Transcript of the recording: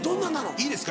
いいですか？